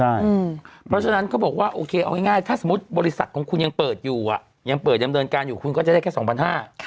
เพราะฉะนั้นเขาบอกว่าโอเคเอาง่ายถ้าสมมุติบริษัทของคุณยังเปิดอยู่อ่ะยังเปิดดำเนินการอยู่คุณก็จะได้แค่๒๕๐๐บาท